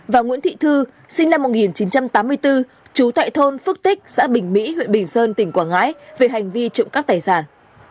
và nguyễn thị thư sinh năm một nghìn chín trăm tám mươi bốn trú tại thôn phước tích xã bình mỹ huyện bình sơn tỉnh quảng ngãi về hành vi trộm cắp tài sản